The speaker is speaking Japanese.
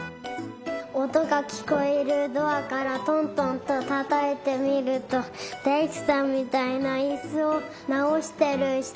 おとがきこえるドアからトントンとたたいてみるとだいくさんみたいないすをなおしてるひとがいました。